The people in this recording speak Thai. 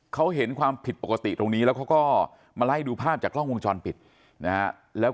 เขาเห็นความผิดปกติตรงนี้แล้วเขาก็มาไล่ดูภาพจากกล้องวงจรปิดนะฮะแล้ว